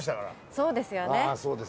そうですね。